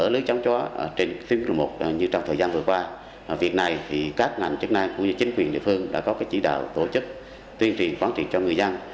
tuyên truyền một như trong thời gian vừa qua việc này thì các ngành chức năng cũng như chính quyền địa phương đã có cái chỉ đạo tổ chức tuyên truyền quán truyền cho người dân